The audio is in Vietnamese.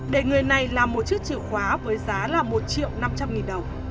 để người này làm một chiếc chìa khóa với giá là một triệu năm trăm linh nghìn đồng